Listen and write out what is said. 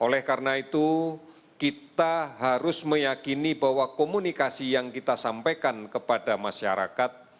oleh karena itu kita harus meyakini bahwa komunikasi yang kita sampaikan kepada masyarakat